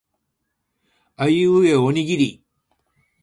あいうえおおにぎり